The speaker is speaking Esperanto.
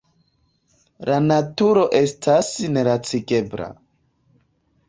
La naturo estas nelacigebla.